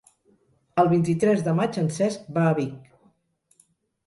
El vint-i-tres de maig en Cesc va a Vic.